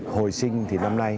hồi sinh thì năm nay